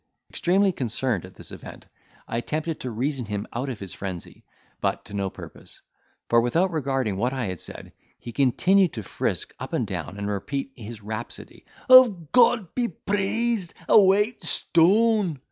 Extremely concerned at this event, I attempted to reason him out of his frenzy, but to no purpose; for without regarding what I said, he continued to frisk up and down, and repeat his rhapsody, of "God be praised!—a white stone!"